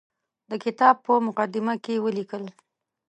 د کتاب په مقدمه کې یې ولیکل.